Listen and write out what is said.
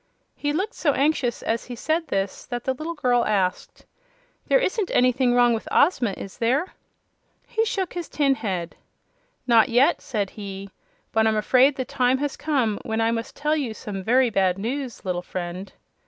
He looked so anxious, as he said this, that the little girl asked: "There isn't anything wrong with Ozma, is there?" "Not yet," said he; "but I'm afraid the time has come when I must tell you some very bad news, little friend."